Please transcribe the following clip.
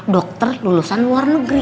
dokter lulusan luar negeri